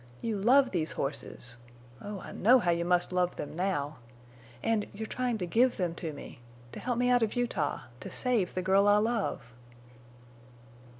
You love these horses. Oh! I know how you must love them now! And—you're trying to give them to me. To help me out of Utah! To save the girl I love!"